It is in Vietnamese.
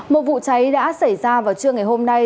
một vụ cháy đã xảy ra vào trưa ngày hôm nay